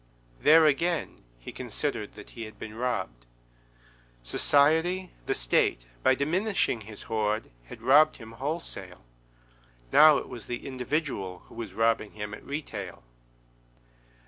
_ There, again, he considered that he had been robbed. Society, the State, by diminishing his hoard, had robbed him wholesale. Now it was the individual who was robbing him at retail.